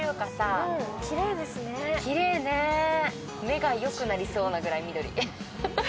目がよくなりそうなぐらい緑。